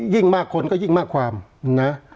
ยิ่งมากคนก็ยิ่งมากความนะ